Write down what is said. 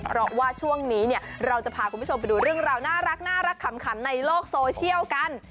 เพราะว่าช่วงนี้เนี่ยเราจะพาคุณผู้ชมไปดูเรื่องราวน่ารักขำขันในโลกโซเชียลกัน